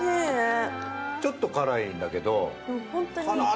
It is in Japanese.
ちょっと辛いんだけど辛っ！